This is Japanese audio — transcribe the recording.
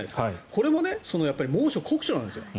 これも猛暑、酷暑なんですよ。